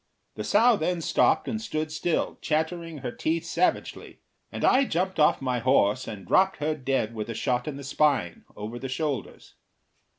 The sow then stopped and stood still, chattering her teeth savagely, and I jumped off my horse and dropped her dead with a shot in the spine, over the shoulders.